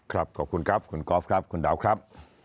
ขอบคุณครับคุณกอล์ฟครับคุณดาวครับ